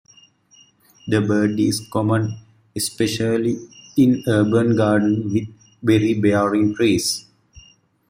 The bird is common especially in urban gardens with berry bearing trees.